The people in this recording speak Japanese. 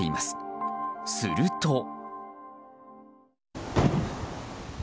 すると。